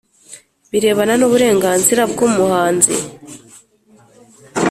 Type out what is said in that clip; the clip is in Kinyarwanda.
Birebana n uburenganzira bw umuhanzi